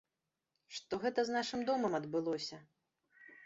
Што гэта з нашым домам адбылося?